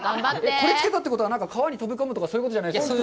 これつけたということは川に飛び込むとかそういうことじゃないですよね。